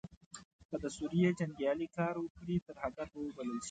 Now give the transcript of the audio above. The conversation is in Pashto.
که د سوریې جنګیالې کار وکړي ترهګر به وبلل شي.